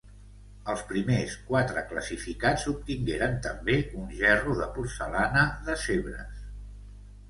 Els primers quatre classificats obtingueren també un gerro de porcellana de Sèvres.